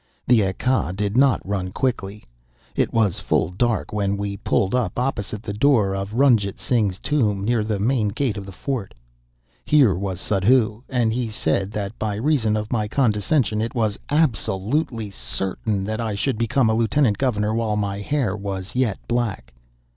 The ekka did not run quickly. It was full dark when we pulled up opposite the door of Ranjit Singh's Tomb near the main gate of the Fort. Here was Suddhoo and he said that by reason of my condescension, it was absolutely certain that I should become a Lieutenant Governor while my hair was yet black.